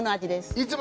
いつも。